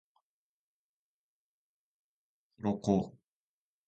鱗